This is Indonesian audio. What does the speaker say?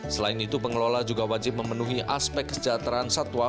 selain itu pengelola juga wajib memenuhi aspek kesejahteraan satwa